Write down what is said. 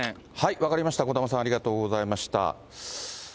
分かりました、小玉さん、ありがとうございました。